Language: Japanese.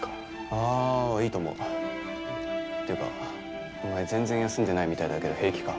ああーいいと思うっていうかお前全然休んでないみたいだけど平気か？